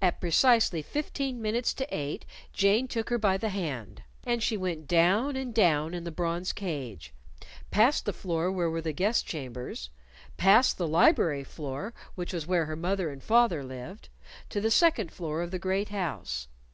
At precisely fifteen minutes to eight Jane took her by the hand. And she went down and down in the bronze cage, past the floor where were the guest chambers, past the library floor, which was where her mother and father lived, to the second floor of the great house.